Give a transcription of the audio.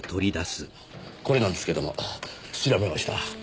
これなんですけども調べました。